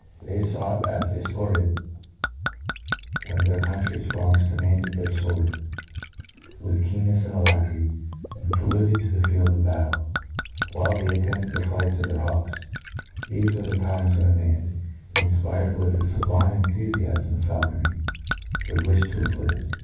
They fought as they fported^ when their country's wrongs demanded their fword, with keennefs^ and alacrity, and preluded to the field of battle^ while they attended the flights of their hawksw Thefe were the times when a man, infpired with the fablime enthufiafm offaulconry, would wilb to have lived